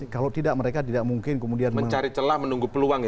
kalau tidak mereka tidak mungkin kemudian mencari celah menunggu peluang